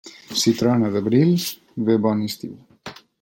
Si trona d'abril, ve bon estiu.